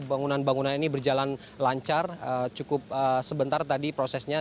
bangunan bangunan ini berjalan lancar cukup sebentar tadi prosesnya